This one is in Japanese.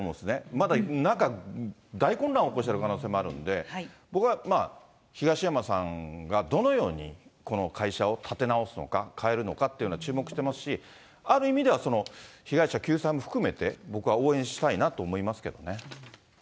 まだ中、大混乱を起こしてる可能性もあるので、僕はまあ、東山さんがどのようにこの会社を立て直すのか、変えるのかっていうのは注目してますし、ある意味では、被害者救済も含めて、僕は応援したいなと思いますけどね。